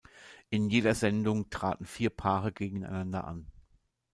In jeder Sendung traten vier Paare gegeneinander an.